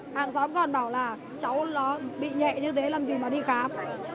hàng xóm còn bảo là cháu nó bị nhẹ như thế làm gì mà đi khám